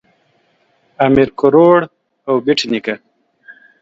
امیر کروړ او بېټ نیکه